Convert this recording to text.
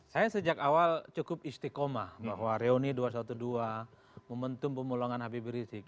saya sejak awal cukup istiqomah bahwa reuni dua ratus dua belas momentum pemulangan habib rizik